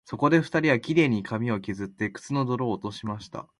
そこで二人は、綺麗に髪をけずって、靴の泥を落としました